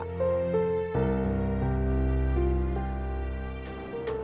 berarti saya mengumpulkan sekitar seratus sampai dua ratus ribu pak